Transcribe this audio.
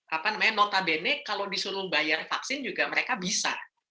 apa namanya notabene kalau disuruh bayar vaksin juga mereka bisa